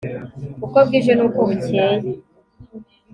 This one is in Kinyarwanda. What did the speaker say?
Uko bwije n uko bukeye